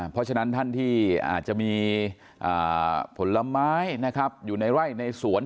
เพราะฉะนั้นท่านที่อาจจะมีผลไม้นะครับอยู่ในไร่ในสวน